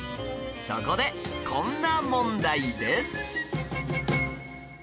そこでこんな問題です